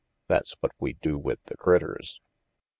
That's what we do with the critters."